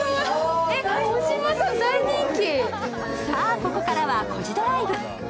ここからは「コジドライブ」。